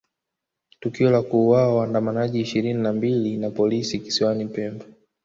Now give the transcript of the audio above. Tukio la kuuawa waandamanaji ishirini na mbili na polisi kisiwani Pemba